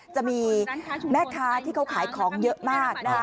จะมีแม่ค้าที่เขาขายของเยอะมากนะคะ